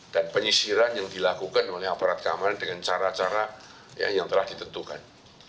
dan penyisiran yang dilakukan oleh aparat keamanan dengan cara cara yang telah ditentukan